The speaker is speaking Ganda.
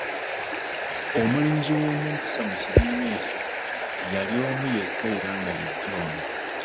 Omulenzi w’ompisa mu kibiina ekyo yali omu yekka era nga ye John.